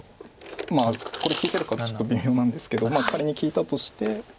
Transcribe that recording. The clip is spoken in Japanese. まあこれ利いてるかちょっと微妙なんですけど仮に利いたとしてまたこういうふうに。